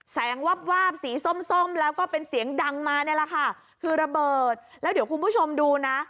วาบวาบสีส้มส้มแล้วก็เป็นเสียงดังมานี่แหละค่ะคือระเบิดแล้วเดี๋ยวคุณผู้ชมดูนะ